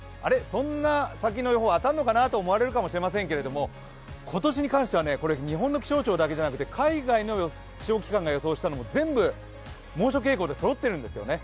そんな先の予報、当たるのかなと思われると思いますけど今年に関しては日本の気象庁だけじゃなくて海外の気象機関が予想したのも全部、猛暑傾向でそろっているんですよね。